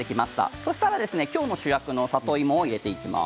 そうしたら今日の主役の里芋を入れていきます。